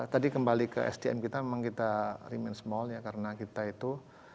tadi kembali ke sdm kita memang kita remain small ya karena kita itu